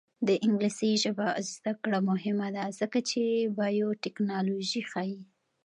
د انګلیسي ژبې زده کړه مهمه ده ځکه چې بایوټیکنالوژي ښيي.